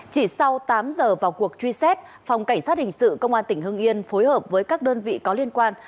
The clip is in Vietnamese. chỉ sau tám giờ vào cuộc truy xét phòng cảnh sát hình sự công an tỉnh hưng yên phối hợp với các đơn vị có liên quan